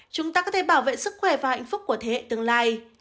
chúng ta có thể bảo vệ sức khỏe và hạnh phúc của thế hệ tương lai